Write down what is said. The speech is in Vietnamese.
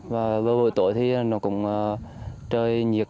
và vào buổi tối thì nó cũng trời nhiệt